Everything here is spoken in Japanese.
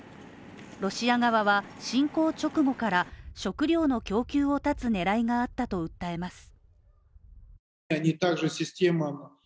ロシア側は侵攻直後から食料の供給を断つ狙いがあったと訴えます